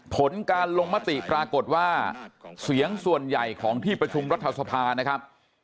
ผลการลงมติปรากฏว่าเสียงส่วนใหญ่ของที่ประชุมรัฐสภานะครับ